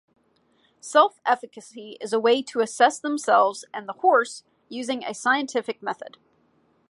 Self-efficacy is a way to assess themselves and the horse using a scientific method.